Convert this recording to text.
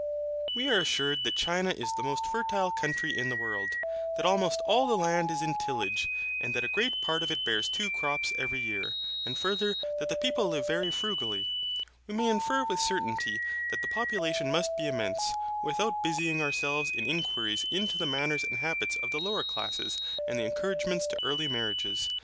When we are assured that China is the most fertile country in the world, that almost all the land is in tillage, and that a great part of it bears two crops every year, and further, that the people live very frugally, we may infer with certainty that the population must be immense, without busying ourselves in inquiries into the manners and habits of the lower classes and the encouragements to early marriages.